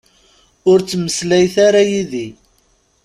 Ur ttmeslayet ara yid-i.